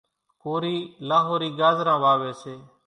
ڪورِي لاهورِي ڳازران واويَ سي۔